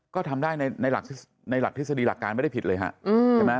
ก็ทำได้ในหลักทฤษฎีหลักการไม่ได้ผิดเลยฮะใช่ไหม